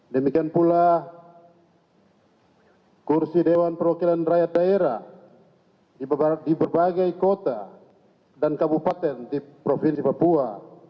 demikian pula kursi dewan perwakilan rakyat daerah di berbagai kota dan kabupaten di provinsi papua